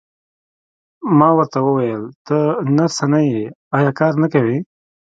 ما ورته وویل: ته نرسه نه یې، ایا کار نه کوې؟